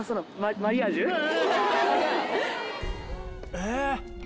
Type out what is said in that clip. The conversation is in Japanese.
えっ？